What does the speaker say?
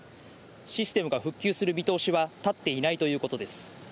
システムが復旧する見通しは立っていないということです。